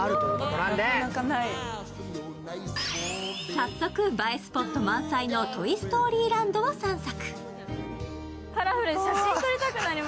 早速、映えスポット満載のトイ・ストーリーランドを散策。